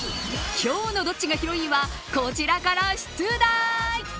今日のどっちがヒロイン？はこちらから出題。